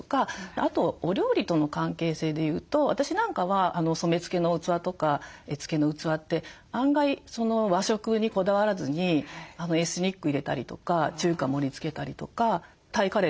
あとお料理との関係性で言うと私なんかは染め付けの器とか絵付けの器って案外和食にこだわらずにエスニック入れたりとか中華盛りつけたりとかタイカレーとか入れたら